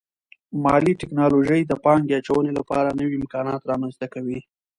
مالي ټکنالوژي د پانګې اچونې لپاره نوي امکانات رامنځته کوي.